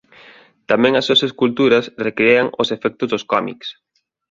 Tamén as súas esculturas recrean os efectos dos cómics.